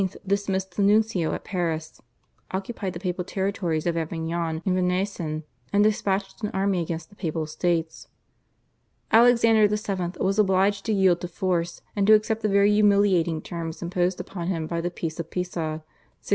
dismissed the nuncio at Paris, occupied the papal territories of Avignon and Venaissin, and despatched an army against the Papal States. Alexander VII. was obliged to yield to force, and to accept the very humiliating terms imposed upon him by the Peace of Pisa (1664).